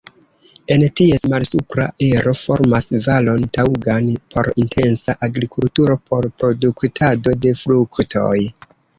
En ties malsupra ero formas valon taŭgan por intensa agrikulturo por produktado de fruktoj.